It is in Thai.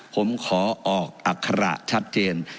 ผมขอออกอัคระชัดเจน